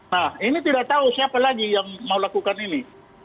nah ini tidak tahu siapa lagi yang mau lakukan ini